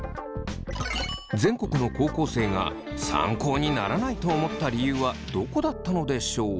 全国の高校生が参考にならないと思った理由はどこだったのでしょう？